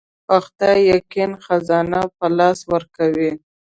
په خدای يقين خزانه په لاس ورکوي.